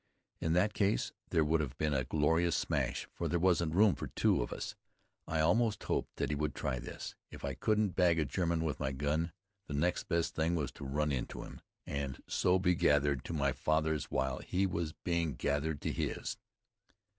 In that case there would have been a glorious smash, for there wasn't room for two of us. I almost hoped that he would try this. If I couldn't bag a German with my gun, the next best thing was to run into him and so be gathered to my fathers while he was being gathered to his.